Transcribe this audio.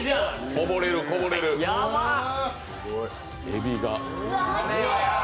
こぼれるこぼれる、えびが。